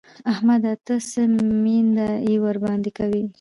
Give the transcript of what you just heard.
احمده! ته څه مينده يي ورباندې کوې؟!